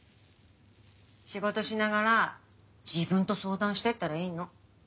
仕事しながら自分と相談してったらいいの。